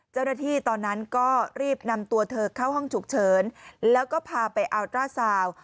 เจ้าหน้าที่ตอนนั้นก็รีบนำตัวเธอเข้าห้องฉุกเฉินแล้วก็พาไปอัลตราซาว